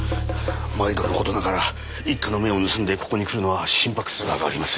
毎度の事ながら一課の目を盗んでここに来るのは心拍数が上がります。